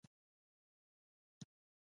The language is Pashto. کلا ته د ختلو سیالۍ کې بریالي کېدو لپاره.